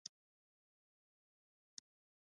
سیلابونه ولې په پسرلي کې ډیر وي؟